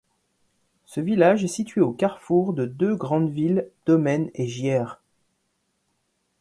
Ce village est situé au carrefour de deux grandes villes, Domène et Gières.